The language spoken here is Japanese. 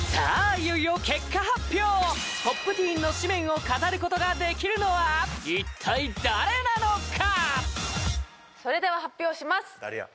いよいよ結果発表Ｐｏｐｔｅｅｎの誌面を飾ることができるのは一体誰なのか？